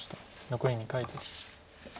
残り２回です。